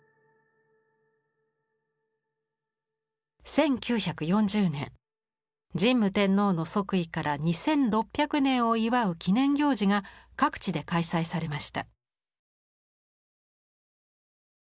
１９４０年神武天皇の即位から２，６００年を祝う記念行事が各地で開催されました。